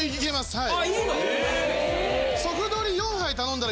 はい。